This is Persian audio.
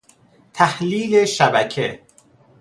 تحلیل شبکه